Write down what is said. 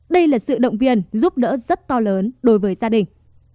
đây là sự động viên giúp đỡ rất to lớn đối với gia đình